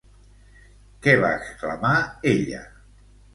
Què va exclamar ella?